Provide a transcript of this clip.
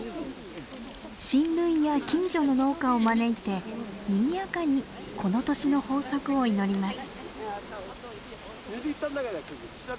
親類や近所の農家を招いてにぎやかにこの年の豊作を祈ります。